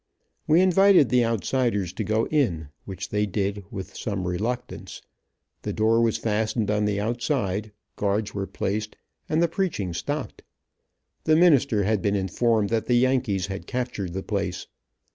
We invited the outsiders to go in, which they did with some reluctance, the door was fastened on the outside, guards were placed, and the preaching stopped. The minister had been informed that the yankees had captured the place.